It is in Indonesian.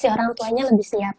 orang tuanya lebih siap